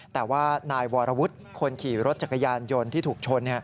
แต่ว่านายวรวุฒิคนขี่รถจักรยานยนต์ที่ถูกชน